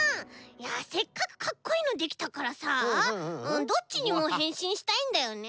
いやせっかくかっこいいのできたからさどっちにもへんしんしたいんだよね。